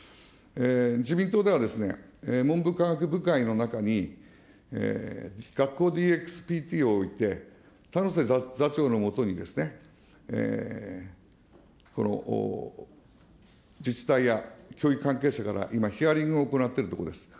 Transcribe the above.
自民党では、文部科学部会の中に学校ＤＸＰＴを置いて、座長のもとに、自治体や、教育関係者から今、ヒアリングを行っているところです。